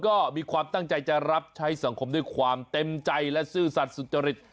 ก็มีความตั้งใจจะรับใช้สังคมด้วยความเต็มใจและซื่อสัตว์สุจริต